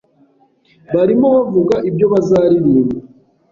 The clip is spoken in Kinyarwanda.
Barimo bavuga ibyo bazaririmba.